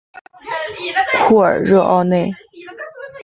库尔热奥内。